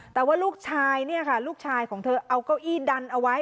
แต่ว่าลูกชายเนี่ยค่ะลูกชายของเธอเอาเก้าอี้ดันเอาไว้